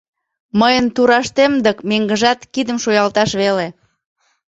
Мыйын тураштем дык меҥгыжат — кидым шуялташ веле.